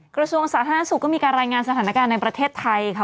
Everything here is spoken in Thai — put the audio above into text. กระทรวงสาธารณสุขก็มีการรายงานสถานการณ์ในประเทศไทยค่ะ